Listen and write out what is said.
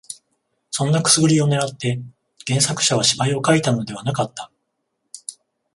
そんなくすぐりを狙って原作者は芝居を書いたのではなかった